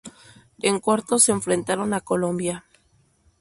En cuartos se enfrentaron a Colombia.